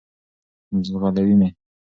ځغلوی مي .